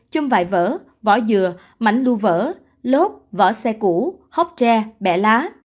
châm vại vỡ vỏ dừa mảnh lưu vỡ lốp vỏ xe cũ hốc tre bẻ lá